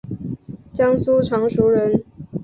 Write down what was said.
江苏常熟人。